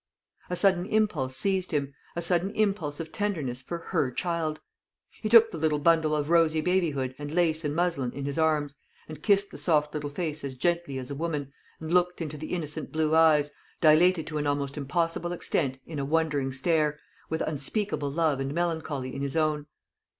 A sudden impulse seized him a sudden impulse of tenderness for her child. He took the little bundle of rosy babyhood and lace and muslin in his arms, and kissed the soft little face as gently as a woman, and looked into the innocent blue eyes, dilated to an almost impossible extent in a wondering stare, with unspeakable love and melancholy in his own.